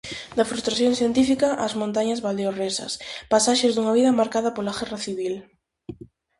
Da frustración científica ás montañas valdeorresas: pasaxes dunha vida marcada pola Guerra Civil.